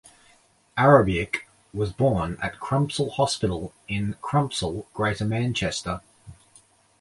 Arobieke was born at Crumpsall Hospital in Crumpsall, Greater Manchester.